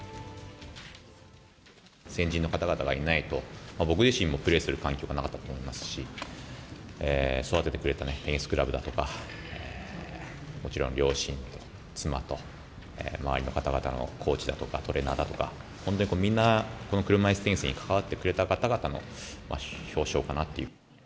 先人の方々がいないと、僕自身もプレーする環境がなかったと思いますし、育ててくれたテニスクラブだとか、もちろん両親と妻と、周りの方々の、コーチの方々だとかトレーナーだとか、それでみんな、この車いすテニスに関わってくれた方々への表彰かなっていう。